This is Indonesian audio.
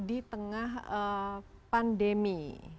di tengah pandemi